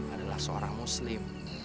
adalah seorang muslim